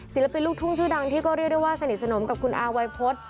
ศิลปินลูกทุ่งชื่อดังที่ก็เรียกได้ว่าสนิทสนมกับคุณอาวัยพฤษ